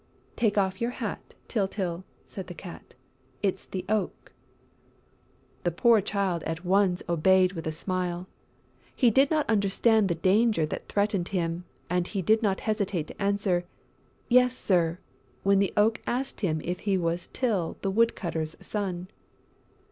"Take off your hat, Tyltyl," said the Cat. "It's the Oak!" The poor Child at once obeyed with a smile; he did not understand the danger that threatened him and he did not hesitate to answer, "Yes, Sir," when the Oak asked him if he was Tyl the woodcutter's son.